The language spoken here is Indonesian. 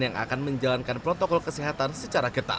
yang akan menjalankan protokol kesehatan secara ketat